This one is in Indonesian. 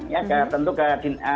ya tentu ke